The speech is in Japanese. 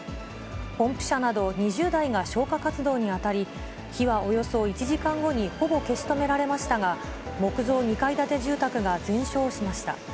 ポンプ車など２０台が消火活動に当たり、火はおよそ１時間後にほぼ消し止められましたが、木造２階建て住宅が全焼しました。